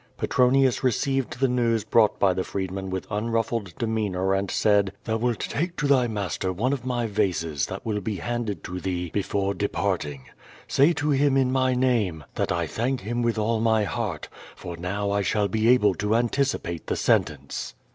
Petronius received the news brought by the freedman with unrufiled demeanor, and said: "Thou wilt take to thy master one of my vases that will be handed to thee before departing. Say to him in my name than I thank him with all my heart, for now I shall be able to anticipate the sentence."